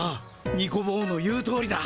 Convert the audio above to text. ニコ坊の言うとおりだ。